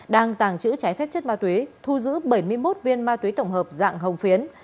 đang tàng trữ trái phép chất ma túy thu giữ bảy mươi một viên ma túy tổng hợp dạng hồng phiến